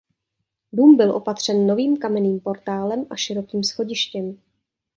Dům byl opatřen novým kamenným portálem a širokým schodištěm.